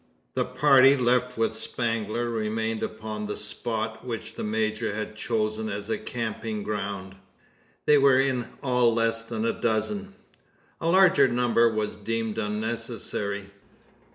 The party left with Spangler remained upon the spot which the major had chosen as a camping ground. They were in all less than a dozen. A larger number was deemed unnecessary.